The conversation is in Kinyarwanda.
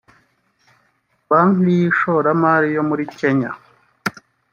Banki y’ishoramari yo muri Kenya